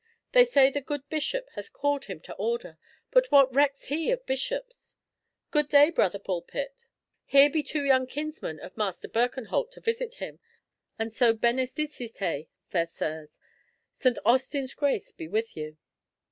They say the good bishop hath called him to order, but what recks he of bishops? Good day, Brother Bulpett, here be two young kinsmen of Master Birkenholt to visit him; and so benedicite, fair sirs. St. Austin's grace be with you!"